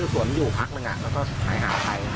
สวมอยู่พักหนึ่งแล้วก็หายหาไป